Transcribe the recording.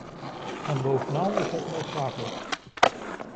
En bovenal is het noodzakelijk.